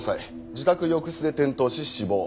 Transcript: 自宅浴室で転倒し死亡。